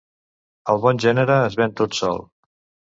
El bon gènere es ven tot sol.